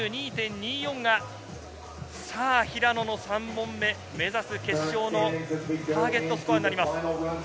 スペインのダニー・レオン、７２．２４が平野の３本目、目指すは決勝のターゲットスコアになります。